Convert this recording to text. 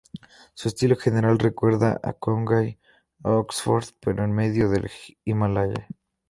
Su estilo general recuerda a Conway a Oxford, pero en medio del Himalaya.